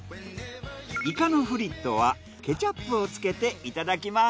イカのフリットはケチャップをつけていただきます。